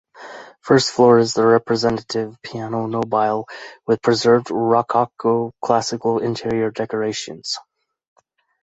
First floor is the representative piano nobile with preserved rococo-classical interior decorations.